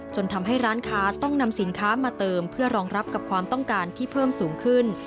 จนทำให้ร้านค้าต้องนำสินค้ามาเติมเพื่อรองรับกับความต้องการที่เพิ่มสูงขึ้น